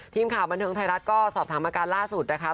ทีมข่าวบันเทิงไทยรัฐก็สอบถามอาการล่าสุดนะคะ